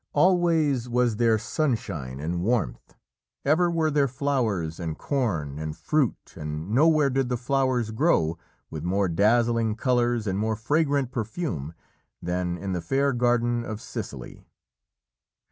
Always was there sunshine and warmth, ever were there flowers and corn and fruit, and nowhere did the flowers grow with more dazzling colours and more fragrant perfume than in the fair garden of Sicily.